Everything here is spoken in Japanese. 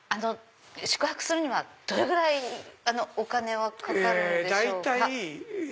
宿泊するにはどれぐらいお金はかかるんでしょうか？